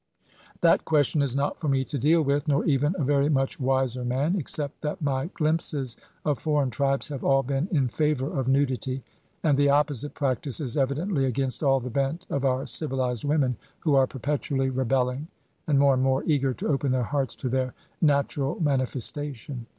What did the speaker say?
That question is not for me to deal with, nor even a very much wiser man, except that my glimpses of foreign tribes have all been in favour of nudity. And the opposite practice is evidently against all the bent of our civilised women, who are perpetually rebelling, and more and more eager to open their hearts to their natural manifestation.